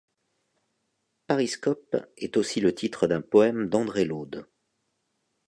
Pariscope est aussi le titre d'un poème d'André Laude.